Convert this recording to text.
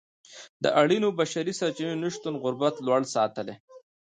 د اړینو بشري سرچینو نشتون غربت لوړ ساتلی.